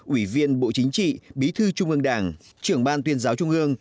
ủy viên bộ chính trị bí thư trung ương đảng trưởng ban tuyên giáo trung ương